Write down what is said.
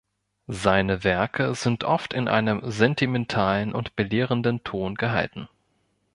Seine Werke sind oft in einem sentimentalen und belehrenden Ton gehalten.